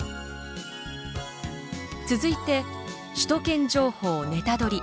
続いて首都圏情報ネタドリ！